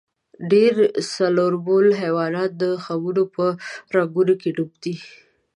ډېر څلوربول حیوانان د خمونو په رنګونو کې ډوب دي.